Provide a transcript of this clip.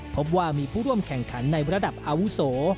พบว่ามีผู้ร่วมแข่งขันในระดับอาวุโส